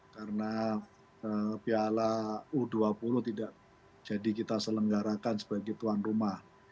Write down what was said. karena biala u dua puluh tidak jadi kita selenggarakan sebagai tuan rumah